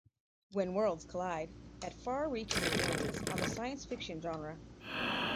"When Worlds Collide" had far-reaching influences on the science fiction genre.